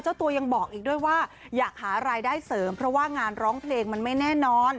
เจ้าตัวยังบอกอีกด้วยว่าอยากหารายได้เสริมเพราะว่างานร้องเพลงมันไม่แน่นอน